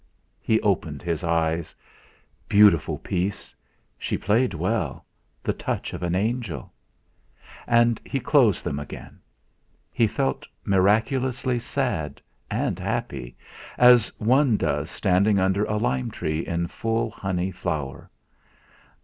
He opened his eyes. Beautiful piece; she played well the touch of an angel! And he closed them again. He felt miraculously sad and happy, as one does, standing under a lime tree in full honey flower.